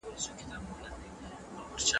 اقتصادي پرمختيا د ځان بسيايني لاره ده.